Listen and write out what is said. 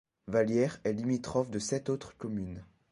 Vallière est limitrophe de sept autres communes.